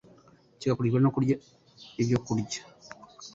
kigakurikirwa no kurya ibyokurya